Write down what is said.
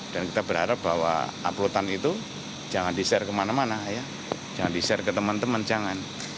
dan kita berharap bahwa uploadan itu jangan di share kemana mana jangan di share ke teman teman jangan